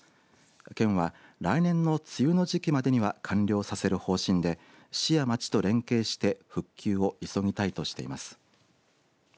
県は来年の梅雨の時期までには完了させる方針で市や町と連携して復旧を急ぎたいとしています。